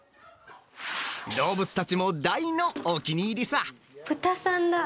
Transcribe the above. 動物たちも大のお気に入りさ。